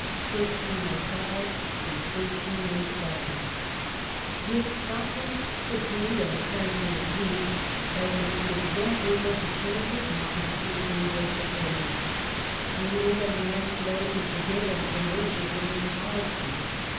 CHAPTER XIII THE END OF THE REIGN 1305 1307 With Scotland subdued and apparently appeased, Edward was again able to turn his mind to English affairs. He was a man slow to forgive and tenacious in his policy.